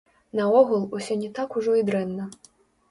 Наогул, усё не так ужо і дрэнна.